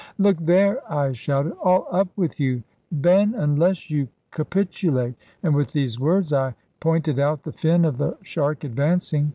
"Look there!" I shouted; "all up with you, Ben, unless you capitulate." And with these words, I pointed out the fin of the shark advancing.